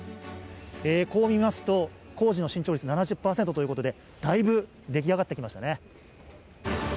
こう見ますと、工事の進捗率７０％ということでだいぶ出来上がってきましたね。